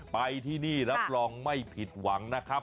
ไปที่นี่รับรองไม่ผิดหวังนะครับ